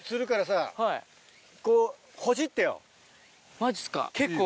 マジっすか。